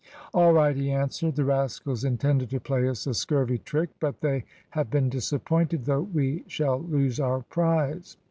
"All right," he answered. "The rascals intended to play us a scurvy trick; but they have been disappointed, though we shall lose our prize."